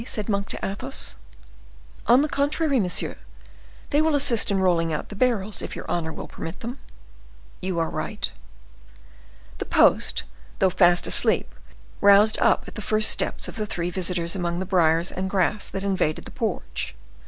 said Monk to Athos. "On the contrary, monsieur, they will assist in rolling out the barrels, if your honor will permit them." "You are right." The post, though fast asleep, roused up at the first steps of the three visitors amongst the briars and grass that invaded the porch.